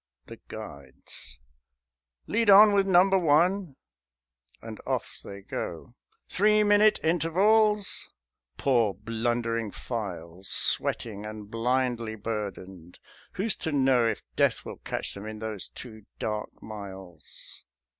_" (The guides) ... "Lead on with Number One." (And off they go.) "Three minute intervals." ... Poor blundering files, Sweating and blindly burdened; who's to know If death will catch them in those two dark miles?